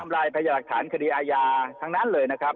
ลายพยาหลักฐานคดีอาญาทั้งนั้นเลยนะครับ